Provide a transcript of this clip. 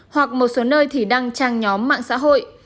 hoặc một số nơi thì đăng trang nhóm mạng xã hội